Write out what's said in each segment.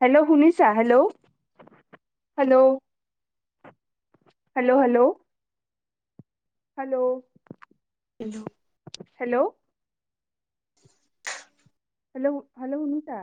Hello শুনিছা? Hello hello hello hello hello hello hello hello hello শুনিছা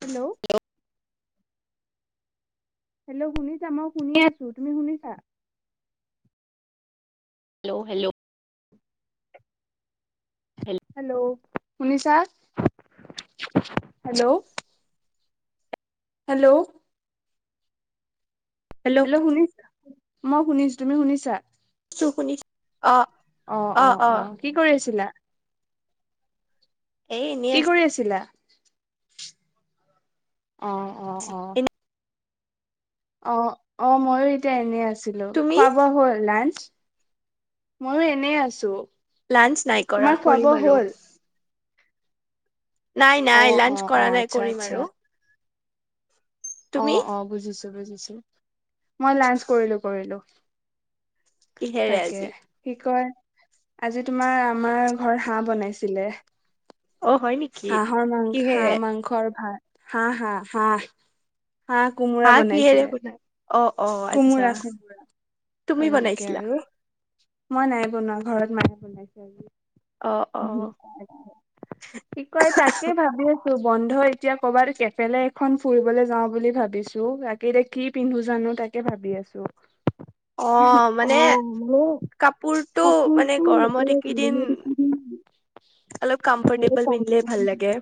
hello hello শুনিছা মই শুনি আছো তুমি শুনিছা হেল্ল' হেল্ল' হেল্ল' শুনি হেল্ল' হেল্ল' হেল্ল' শুনিছা মই শুনিছো তুমি শুনিছা চো শুনি অ অ অ কি কৰি আছিলা এই এনেই কি আছো কৰি আছিলা [unintelligible] অ অ অ এনে অ অ মইয়ো এতিয়া এনে আছ ছিলো তুমি খোৱা বোৱা হ'ল লাঞ্চ মইও এনে আছোঁ। লাঞ্চ নাই কৰা, কৰিম আৰু নাই অ নাই অ লাঞ্চ অ কৰা নাই, আচ্ছা কৰিম আচ্ছা আৰু অ তুমি অ, বুজিছো। মই লাঞ্চ কৰিলো, কৰিলো। কিহেৰে তাকে, আজি কি কয়! আজি তোমাৰ, আমাৰ ঘৰত হাঁহ বনাইছিলে। অ হয় নেকি হাঁহৰ মাং, কিহেৰে হাঁহ মাংস আৰু ভাত। হাঁ হাঁ, হাঁহ। হাঁহ কোমোৰা হাঁহ কিহেৰে বনাইছিলে। বনাই অ অ আচ্ছা। কোমোৰা কোমোৰা ত তুমি এনেকে বনাইছিলা? আৰু মই নাই বনোৱা। ঘৰৰত মায়ে অ অ বনাইছিলে। কি কয় তাকেই ভাবি আছোঁ। বন্ধ এতিয়া। কৰ'বাত কেফলে এখন ফুৰিবলৈ যাওঁ বুলি ভাবিছোঁ। বাকি ইতিয়া কি পিন্ধো জানো তাকে ভাবি আছোঁ। অ মানে কাপোৰটো মানে কাপোৰটো গৰমত এনে এইকেইদিন ৰেডিমেড অলপ সেই কমফৰ্টেবল কম- পিন্ধিলে ভাল লাগে।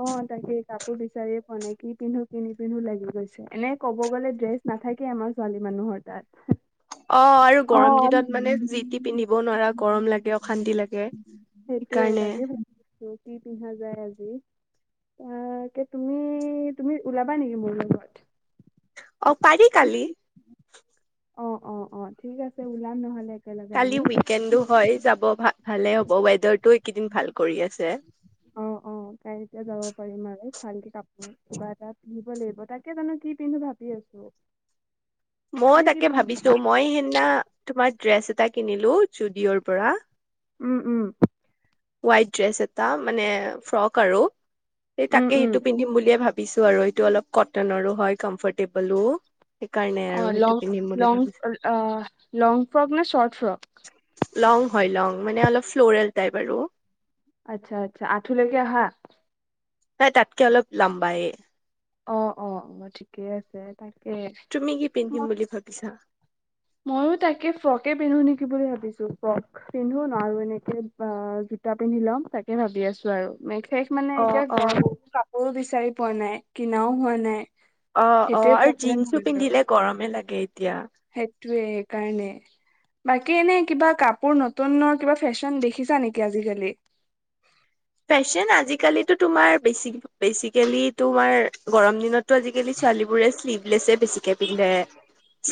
অ', তাকে কাপোৰ বিচাৰিয়ে কি পিন্ধো কি নিপিন্ধো লাগি গৈছে। এনে ক'ব গ'লে ড্ৰেছ নাথাকে আমাৰ ছোৱালী মানুহৰ তাত। অ আৰু অ গৰম দিনত মানে যি টি পিন্ধিব‌ও নোৱাৰা। গৰম লাগে, অশান্তি লাগে। সেইটোয়ে। সেইকাৰণে তাকে ভাবি আছো, কি পিন্ধা যায় আজি। অ, ত তুমি, তুমি ওলাবা নেকি মোৰ লগত? অ, পাৰি কালি। অ অ অ, ঠিক আছে ওলাম নহলে একেলগে কালি আমি। উইকেণ্ডো হয়, যাব ভা ভা ভালেই হ'ব, ৱেডাৰটোও এইকেইদিন ভাল কৰি আছে। অ', অ', কাই তেতিয়া যাব পাৰিম আৰু ভালকে কাপোৰ, কিবা এটা পিন্ধিব লাগিব। তাকে জানো কি পিন্ধো ভাবি আছোঁ। মই তাকে ভাবিছোঁ, মই সেইদিনা তোমাৰ ড্ৰেছ এটা কিনিলো, ষ্টুডিঅ'ৰ পৰা। উম উম। হোৱাইট ড্ৰেছ এটা, মানে এ ফ্ৰক আৰু। সেই উম, তাকে উম, সিটো পিন্ধিম বুলিয়ে ভাব বিছো আৰু, এইটো অলপ কটনৰো হয়, কমফৰ্টেবলো। সেইকাৰণে অ। আৰু সেইটো লং পিন্ধিম বুলি লং, ভাবিছো অ', লং ফ্ৰক নে চৰ্ট ফ্ৰক? লং হয় লং। মানে অলপ ফ্লৰেল টাইপ আৰু। আচ্ছা আচ্ছা। আঁঠু লৈকে আহা? নাই তাতকে অলপ লাম্বায়েই। অ অ অ, ঠিকেই আছে। তাক তুমি কি পিন্ধিম বুলি ভাবিছা? ময়ো তাকে ফ্ৰকে পিন্ধো নেকি বুলি ভাবিছো ফ্ৰক পিন্ধো আৰু এনেকে জোতা পিন্ধি লম তাকে ভাবি আছো আৰু। শেষ মানে অ এতিয়া অ ঘৰ বোৰ বিচাৰি পোৱা নাই কিনাও হোৱা নাই। অ অ সেইটোৱে আৰু প্ৰব্লেম হয় জিন্চো পিন্ধিলে গৰমে লাগে। এতিয়া। ধোৱে সেইকাৰণে বাকী এনে কিবা কাপোৰ নতুনৰ কিবা ফেশ্বন দেখিছা নেকি আজিকালি? ফেশ্বন আজিকালিটো তোমাৰ বেচিক বেচিকেলি তোমাৰ গৰম দিনতো আজি কালি ছোৱালীবোৰে শ্লিভলেছে বেছিকে পিন্ধে।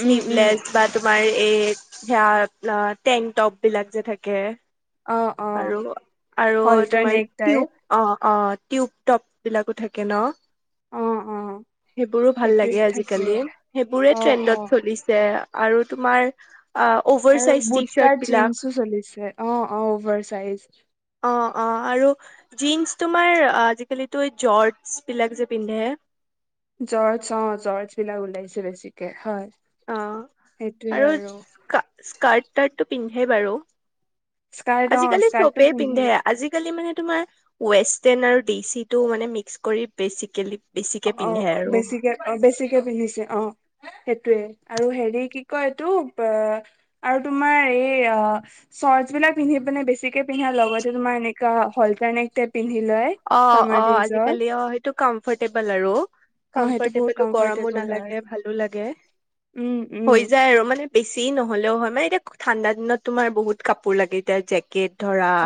উম, উম। শ্লীভলেচ বা তোম বাই এইদ হেৱাৰ প্লান্ত টেং টপ বিলাক যে থাকে। অ অ আৰু আৰু তোমাৰ অল্টাৰনেট টাইপ টিউব অ। অ' টিউব টপ বিলাকো থাকে ন। অ অ সেইবোৰো ভাল সেইটোয়ে লাগে থাকে আজিকালি। সেইবোৰে অ অ ট্ৰেণ্ডত চলিছে। আৰু তোমাৰ অ অভাৰ আৰু চাইজ টি চাৰ্ট বুটকাৰ বিলাক জীন্চো চলিছে অ অ অভাৰ চাইজ। অ অ আৰু জীন্ছ তোমাৰ আজিকালিতো এই জৰ্টছ বিলাক যে পিন্ধে। জৰ্জ অ জৰ্জ বিলাক ওলাইছে বেছিকে হয়। অ আৰু স্কাৰ্ট-টাৰ্ট পিন্ধে বাৰু। স্কাৰ্ট অ আজিকালি স্কাৰ্টটো চবেই পিন্ধি পিন্ধে আজিকালি মানে তোমাৰ ৱেষ্টাৰণ আৰু ডিচিটো মানে মিক্স কৰি বেচিকেলি অ বেছিকে অ পিন্ধে অ আৰু বেছিকে অ বেছিকে পিন্ধিছে অ সেইটো আৰু হেৰি কি কয় এইটো আৰু তোমাৰ এই চৰ্ট বিলাক পিন্ধি পনে বেছিকে পিন্ধা লগতে তোমাৰ এনেকা হলটাৰনেপ অ অ আজিকালি অ সেইটো কাম কম্ফৰ্টেবল আৰু অ সেইটো বহুত কমফৰ্টেবলো গৰমো কমফৰ্টেবল হয় নালাগে ভালো লাগে উম উম হৈ যায় আৰু মানে বেছি নহ'লেও হয় মানে এতিয়া ঠাণ্ডা দিনত তোমাৰ বহুত কাপোৰ লাগে এতিয়া জেকেট ধৰা অ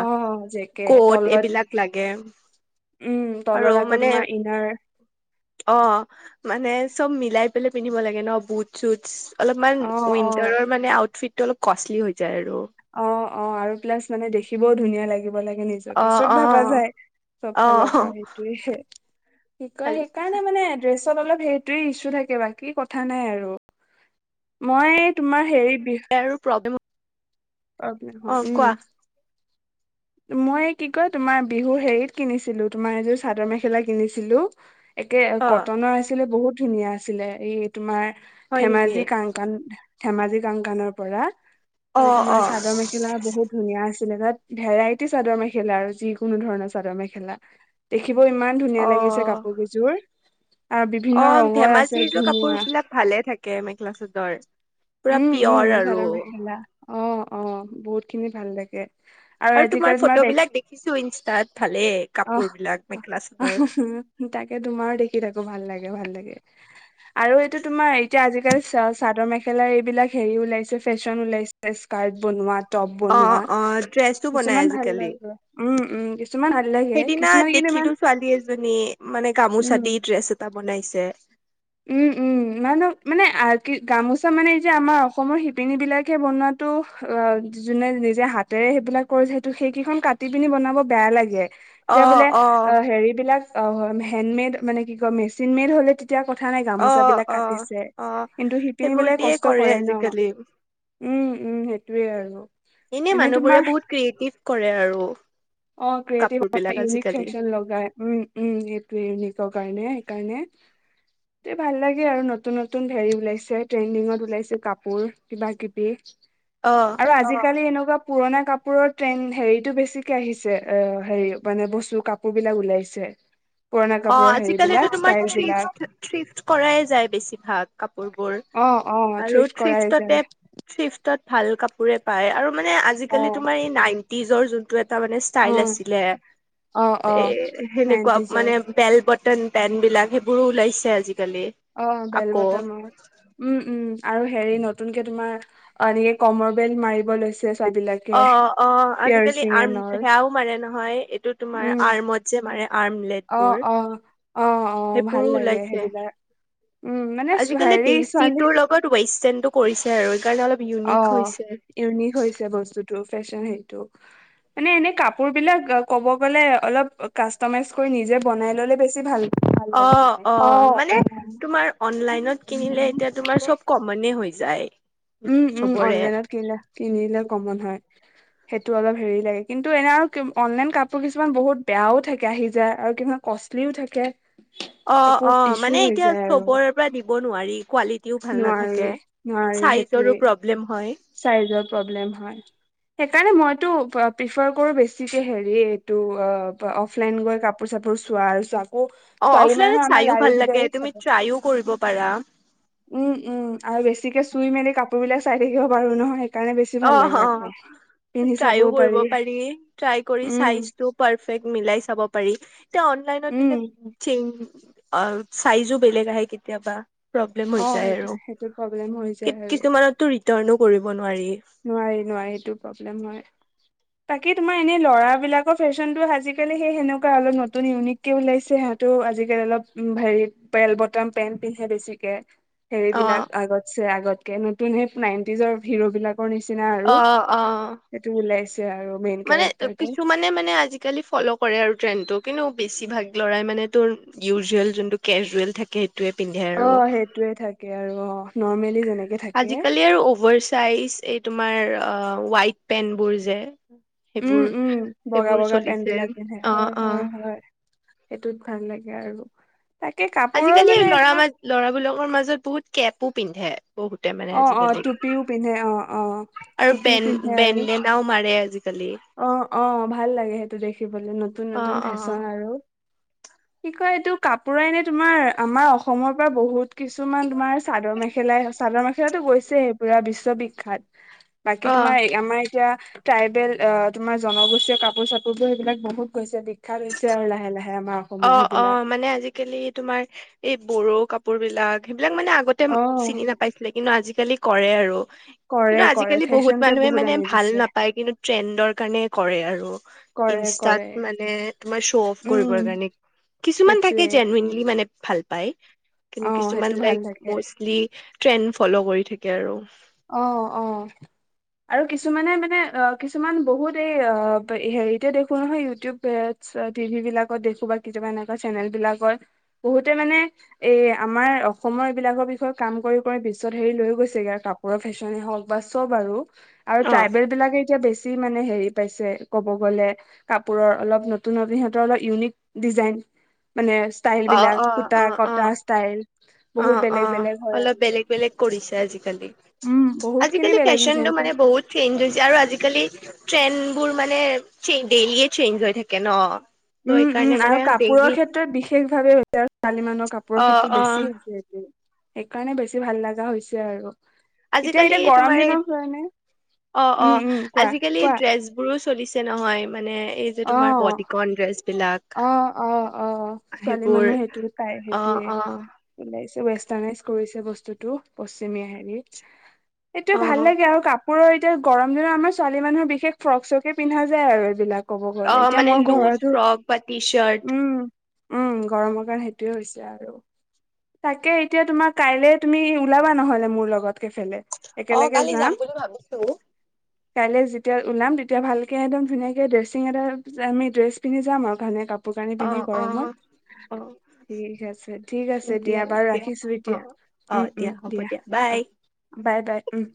জেকে কত তলত এইবিলাক লাগে উম আৰু তলত আকৌ মানে তোমাৰ ইনাৰ অ মানে চব মিলাই পেলাই পিন্ধিব লাগে ন বুট চুট অলপমান অ অ উইণ্টাৰৰ মানে আউটফিট টো অলপ কষ্টলি হৈ যায় আৰু অ, অ আৰু প্লাছ মানে দেখিবও ধুনীয়া লাগিব লাগিব। অ নিজকে চব অ ভাবা যায়। চব অ ফালৰ পৰা সেইটোয়ে। কি কয় সেইকাৰণে মানে এদৰেচ অলপ সেইটোৱে ইছু থাকে বাকী কথা নাই আৰু মই তোমাৰ হেৰিত ইয়াৰো প্ৰব্লেম অ [unintelligible] কোৱা মই কি কয় তোমাৰ বিহুৰ হেৰিত কিনিছিলো তোমাৰ এযোৰ চাদৰ মেখেলা কিনিছিলো একে অ কটনৰ আছিলে বহুত ধুনীয়া আছিলে এই তোমাৰ হয় নেকি ধেমাজি কাংকান ধেমাজি কাংকানৰ পৰা। অ। তাতে তোমাৰ অ চাদৰ মেখেলা বহুত ধুনীয়া আছে। তাত ভেৰাইটিচ চাদৰ মেখেলা। আৰু যিকোনো ধৰণৰ চাদৰ মেখেলা তে থাকিব ইমান ধুনীয়া অ লাগিছে কাপোৰ কেইযোৰ আৰু বিভিন্ন অ ৰঙৰ আছে ধেমাজিৰ যে কাপোৰ ধুনীয়া বিলাক ভালে থাকে মেখেলা চাদৰ। পুৰা উম, উম পিয়ৰ আৰু চাদৰ মেখেলা অ' অ, অ বহুত খিনি ভাল লাগে। আৰু আজিকালি তোমাৰ দেখো ফটোবিলাক দেখিছো ইনষ্টাত ভালেই কাপোৰ আহ বিলাক মেখেলা চাদৰ তাকে তোমাৰো দেখি থাকো ভাল লাগে ভাল লাগে। আৰু এইটো তোমাৰ এতিয়া আজিকালি চ চাদৰ মেখে খেলা এইবিলাক হেৰি ওলাইছে ফেশ্বন ওলাইছে স্কাৰ্ট বনোৱাত অ' অ', ড্ৰেছো বনাই ভাল আজিকালি লাগে উম উম কিছুমান ভাল লাগে সেইদিনা কিছুমান কিন্তু ইমান দেখিলো ছোৱালী এজনী মানে গামোচা উম দি ড্ৰেছ এটা বনাইছে। উম উম মানহক মানে কি গামোচা মানে এই যে আমাৰ অসমৰ শিপিনী বিলাকে বনোৱাাতো অ যোনে নিজে হাতেৰে সেইবিলাক কৰিছে সেইটো সেইকেইখন কাটি পিনি বনাব বেয়া লাগে। এতিয়া বোলে অ হেৰিবলাক অ হয় হেণ্ডমেড মানে কি কয় মেচিন মেড হ'লে তেতিয়া কথা নাই অ গামোচা বিলাক অ কাটিছে অ কিন্তু শিপিনী সেইবোৰ বিলাক দিয়ে কষ্ট কৰে ন আজিকালি। উম, উম সেইটোয়ে আৰু এনে এনেই মানুহবোৰে তোমাৰ বহুত ক্ৰিয়েটিভ কৰে আৰু অ', ক্ৰিয়েটিভ কাপোৰ বিলাক ইউনিক আজিকালি। ফেশ্বন লগাই উম, উম এইটো ইউনিকৰ কাৰণে। তে ভাল লাগে আৰু নতুন, নতুন হেৰি ওলাইছে ট্ৰেণ্ডিঙত ওলাইছে কাপোৰ কিবা কিবি। অ আৰু আজিকালি এনেকুৱা পুৰণা কাপোৰৰ ট্ৰেনড হেৰিতটো বেছিকে আহিছে। যে অ হেৰি মানে বস্তু কাপোৰ বিলাক ওলাইছে। পুৰণা অঁ, কাপোৰৰ হেৰি বিলাক আজিকালিতো তোমাৰ ষ্টাইল বিলাক থ্ৰি-থ্ৰিফট কৰাই যায় বেছিভাগ কাপোৰবোৰ। অঁ অঁ আৰু থ্ৰিফট কৰাই থ্ৰিফ্টতে যায়। থ্ৰিফ্টত ভাল কাপোৰে পায় আৰু মানে অ আজিকালি তোমাৰ এই নাইনটি নিজৰ যো নটো এটা মানে অ স্তাইল আছিলে, অ এ সেনেকুৱা নাইনটিজৰ মানে বটন পেন বিলাক সেইবোৰো ওলাইছে আজি অঁ বেল বতাম, উম উম। আৰু হেৰি নতুনকে তোমাৰ, অঁ এনেকে কমৰ বেল্ট মাৰিব লৈছে ছোৱালী বিলাকে অঁ, অঁ আজিকালি পিয়াৰচিং এন আৰ্ম অল সেয়াও মাৰে নহয়, এইটো তোমাৰ উম আৰ্মত যে মাৰে। আৰ্ম অ লেতবোৰ, অ অ অ ভাল সেইবোৰো লাগে ওলাইছে, সেইবিলাক উম, মানে ছো- আজিকালি হেৰি দেচি টোৰ লগত ৱেষ্টটাৰ্ণটো কৰিছে আৰু। সেইকাৰণে অলপ ইউনিক অঁ হৈছে। ইউনিক হৈছে বস্তুত টো ফেশ্বন সেইটো, মানে এনে কাপোৰ বিলাক ক'ব গলে অলপ কাষ্টমাইজ কৰি নিজে বনাই ল'লে বেছি ভাল ভাল লাগে অঁ, মানে। অঁ অ', মানে অ'। তোমাৰ অনলাইনত কিনিলে এতিয়া তোমাৰ চব কমনে হৈ যায়। উম উম, চবৰে অনলাইনত কিলে কিনিলে কমন হয়। সেইটো অলপ হেৰি লাগে, কিন্তু এনে আৰু অনলাইন কাপোৰ কিছুমান বহুত বেয়াও থাকে আহি যায় আৰু কিছুমান কষ্টলিও থাকে। অঁ, একো অঁ ইছ্যু মানে হৈ এতিয়া যায় আৰু চবৰে পৰা দিব নোৱাৰি, কোৱালিটিও ভাল নোৱাৰি নাথাকে নোৱাৰি চাইজ সেইটোৱেই [unintelligible] প্ৰব্লেম হয়। চাইজৰ প্ৰব্লেম হয়, সেইকাৰণে মইটো প্ৰিফাৰ কৰো বেছিকে হেৰীয়ে এইটো অফলাইন গৈ কাপোৰ চাপুৰ চোৱা অঁ, অ ছোৱালী অফলাইনত মানুহৰ আমাৰ চাইও লাৰি ভাল লাগে বিদাৰি তুমি চাব, ট্ৰাইও কৰিব পাৰা উম উম আৰু বেছিকে চুই মেলি কাপোৰ বিলাক চাই থাকিব বাৰু নহয় সেইকাৰণে বেছি ভাল অঁ, লাগে আকৌ অঁ পিন্ধি চাবও ট্ৰাইও কৰিব পাৰি, ট্ৰাই কৰি উম চাইজটো পাৰফেক্ট মিলাই চাব পাৰি। এতিয়া অনলাইনত দিলে উম চেঞ্জ অঁ, চাইজো বেলেগ আহে কেতিয়াবা। প্ৰব্লেম হৈ অ যায় সেইটো আৰু, সেইটো প্ৰব্লেম হৈ কি যায় কিছুমানতটো ৰিটাৰ্ণ ও কৰিব নোৱাৰি। নোৱাৰি-নোৱাৰি সেইটো প্ৰব্লেম হয়, তাকে তোমাৰ এনেই ল'ৰাবলাকৰ ফেশ্বনটো আজিকালি সেই সেনেকুৱা অলপ নতুন ইউনিককে ওলাইছে সিহঁতো আজিকালি অলপ হেৰি বেল বটাম পেন্ট পিন্ধে বেছিকে। অ হেৰিবলাক আগতছে আগত কে নতুন সেই নাইনটিজৰ হিৰ' বিলাক পৰিছে অ -অ-অ আৰু মেইন মানে কেৰেক্টাৰ টাইপ কিছুমানে মানে আজিকালি ফ'ল' কৰে আৰু ট্ৰেণ্ডটোক। কিন্তু বেছি ভাগ ল'ৰাই মানে তোৰ ইউজুৱেল যোনটো কেজুৱেল থাকে। সেইটোৱে পিন্ধে অ আৰু সেইটোৱে থাকে আৰু অ নৰ্মেলি যেনেক আজিকালি আৰু অভাৰ চাইজ এইবোৰে তোমাৰ অ হোৱাইট পেন্ট বোৰ যে উম সেইবোৰ উম বগা সেইবোৰ বগা পেন্ট চলিছে বিলাক পিন্ধে অ হয়- অ হয়-হয় সেইটোত ভাল লাগে আৰু তাকে কাপোৰৰ আজিকালি মানে ল'ৰা তোমাৰ মানুহ ল'ৰাবলাকৰ মাজত বহুত কেপো পিন্ধে। বহুতে মানে অ অ আজিকালি টুপিও পিন্ধে অ অ আৰু টুপিও বেন পিন্ধে আৰু বেনদেনাও মাৰে আজিকালি অ অ ভাল লাগে সেইটো দেখিবলে নতুন অ নতুন অ ফেশ্বন আৰু কি কয় এইটো কাপোৰ এনে তোমাৰ আমাৰ অসমৰ পৰা বহুত কিছুমান তোমাৰ চাদৰ মেখেলা চাদৰ মেখেলাতো গৈছে পুৰা বিশ্ব উ বিখ্যাত বাকী অ তোমাৰ আমাৰ যতি ট্ৰাইবেল অ তোমাৰ জনগোষ্ঠীয় কাপোৰ চাপোৰ বোৰ সেইবিলাক বহুত বিখ্যাত হৈছে আৰু লাহে লাহে আমাৰ অ অসমৰ অ সেইবিলাক মানে আজিকালি তোমাৰ এই বড়ো কাপোৰ কাপোৰ বিলাক এইলাক মানে আগতে অ চিনি নাপাইছিলে। কিন্তু আজিকালি কৰে আৰু কৰে কিন্ত কৰে আজিকালি বহুত ফেশ্বনটোৱে মানুহে মানে আনি ভাল দিছে নাপায় কিন্তু ট্ৰেন্ডৰ কাৰণ কৰে আৰু কৰে কৰে ইনষ্টাত মানে তোমাৰ শ্ব অ উম কিছুমান থাকে সেইটোৱে জেনেলি মানে ভাল পায়। কিন্তু অ কিছুমান সেইটো ভাল লাইক লাগে মষ্টলি ট্ৰেণ্ড ফ'ল' কৰি থাকে আৰু অ অ আৰু কিছুমানে মানে অ কিছুমান বহুত এই হেৰিতে দেখো নহয় ইউটিউব টিভি বিলাকত দেখো বা কিছুাবা এনেকুৱা চেনেল বিলাকত বহুতে মানে এই আমাৰ অসমৰ এইবিলাকৰ বিষয়ে কাম কৰি কৰি বিশ্বত হেৰি লৈ গৈছেগৈ আৰু কাক কাপোৰ ফেশ্বনে হওক বা চব আৰু আৰু অ। ট্ৰাইবেল বিলাকে এতিয়া বেছি মানে হেৰি পাইছে ক'ব গলে কাপোৰৰ অলপ নতুন নতুন সিহঁতৰ অলপ ইউনিক ডিজাইন। মানে ষ্টাইল অ', বিলাক অ', সূতা অ', কটা অ'। ষ্টাইল বহুত অ', বেলেগ অ', বেলেগ হয় অলপ আৰু বেলেগ বেলেগ কৰিছে আজিকালি। বহুত খিনি আজিকালি বেলেগ হৈছে ফেশ্বনতটো সিহঁতৰ মানে বহুত চেঞ্জ হৈছে আৰু আজিকালি ট্ৰেন বোৰ মানে চ ডেইলিয় চেঞ্জ হৈ থাকে ন ত' উম, সেইকাৰণে উম, মানে আৰু ডেইলি কাপোৰৰ ক্ষেত্ৰত বিশেষ ভাবে হৈছে আৰু ছোৱালী মানুৰ কাপোৰৰ অ', ক্ষেত্ৰত অ', বেছি হৈছেটো। সেইকাৰণে বেছি ভাল লগা হৈছে আৰু। এতিয়া আজিকালি এতিয়া গৰম তোমাৰ এই দিনৰ কাৰণে অ', উম উম অ', কোৱা আজিকালি কোৱা ড্ৰেচ বোৰো চলিছে নহয় মানে এই যে অ তোমাৰ বডী কণ ড্ৰেছ বিলাক অ', অ', অ', ছোৱালী সেইবোৰ মানুহ সেইটো পাই অ সেইটোয়ে অ ওলাইছে ৱেষ্টাৰ্ণাইজ কৰিছে বস্তুতটো পশ্চিমীয়া হেৰিত। এইয়ে অ ভাল লাগে আৰু কাপোৰৰ এতিয়া গৰম দিনত আমাৰ ছোৱালী মানুহৰ বিশেষ ফ্ৰক চকে পিন্ধা যায় আৰু এইবিলাক। ক'ব গ'লে অ', এতিয়া মানে মই লুজ ঘৰতো ফ্ৰক বা টি চাৰ্ট। উম উম গৰমৰ কাৰণে সেইটোয়ে হৈছে আৰু, তাকে এতিয়া তোমাৰ কাইলে তুমি ওলাবা নহলে মোৰ লগত। কেফেলে। অ', একেলগে কালি যাম বুলি ভাবিছো। কাইলে যেতিয়া ওলাম তেতিয়া ভালকে একদম ধুনীয়াকে ড্ৰেচিং এটা আমি ড্ৰেছ পিন্ধি যাম আৰু। ভানে কাপ কাপোৰ কানি অ পিন্ধি অ গৰমত, অ ঠিক আছে ঠিক আছে দিয়া বাৰু ৰাখিছো এতিয়া। অ উম, উম, হ'ব দিয়া বাই অ', বাই বাই উম।